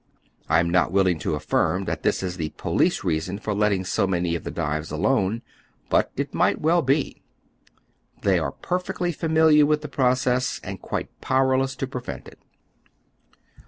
I am not willing to affirm that this is the police reason for letting so many of the dives alone ; but it might well be. They are perfectly familiar with the proeesB, and quite powerless to prevent it.